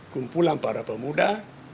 kumpulan para pemuda